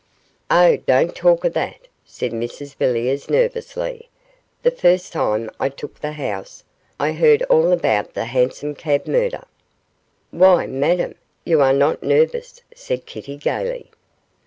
'Oh, don't talk of that,' said Mrs Villiers, nervously; 'the first time I took the house, I heard all about the Hansom Cab murder.' 'Why, Madame, you are not nervous,' said Kitty, gaily.